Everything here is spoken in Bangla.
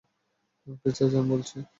পিছিয়ে যান বলছি!